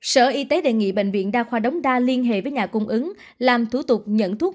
sở y tế đề nghị bệnh viện đa khoa đống đa liên hệ với nhà cung ứng làm thủ tục nhận thuốc